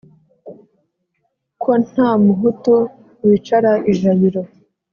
ko nta muhutu wicara ijabiro